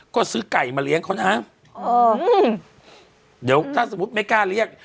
ก็ซื้อไก่มาเลี้ยงเขานะเดี๋ยวถ้าสมมุติไม่กล้าเรียก